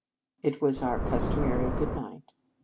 It was our cus tomary good night.